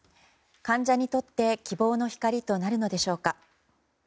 患者にとって希望の光となるのでしょうか。